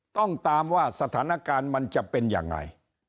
ต้องตามว่าสถานการณ์มันจะเป็นยังไง